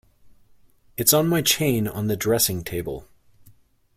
It’s on my chain on the dressing-table.